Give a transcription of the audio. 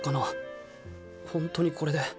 ほんとにこれで。